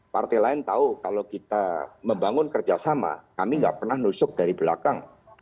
partai lain tahu kalau kita membangun kerjasama kami nggak pernah nusuk dari belakang